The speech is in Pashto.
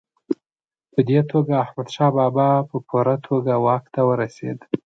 په دې توګه احمدشاه بابا په پوره توګه واک ته ورسېد.